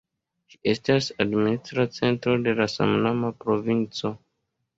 Ĝi estas administra centro de la samnoma provinco.